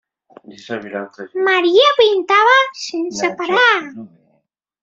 Maria pintava sense parar.